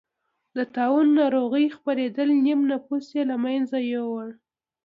د طاعون ناروغۍ خپرېدل نییم نفوس یې له منځه یووړ.